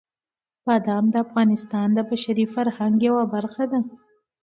بادام د افغانستان د بشري فرهنګ یوه برخه ده.